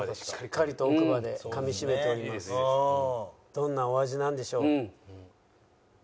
どんなお味なんでしょう？